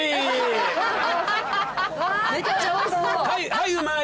はい。